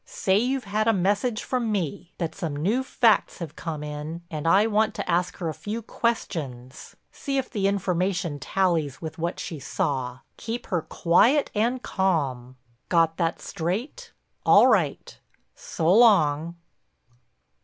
Say you've had a message from me, that some new facts have come in and I want to ask her a few questions—see if the information tallies with what she saw. Keep her quiet and calm. Got that straight? All right—so long."